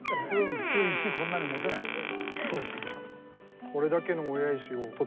普通石こんなに持てないですよね。